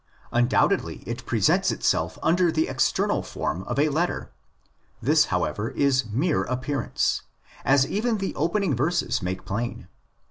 Undoubtedly it presents itself under the external form of a letter. This, however, is mere appearance, as even the opening verses make plain.